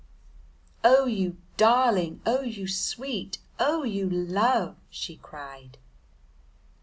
"Oh, you darling, oh, you sweet, oh, you love!" she cried.